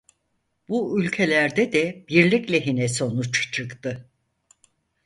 Bu ülkelerde de birlik lehine sonuç çıktı.